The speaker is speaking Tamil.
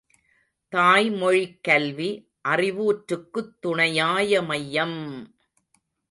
தாய் மொழிக் கல்வி அறிவூற்றுக்குத் துணையாய மையம்!